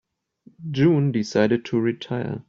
June decided to retire.